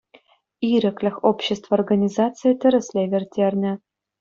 «Ирӗклӗх» общество организацийӗ тӗрӗслев ирттернӗ.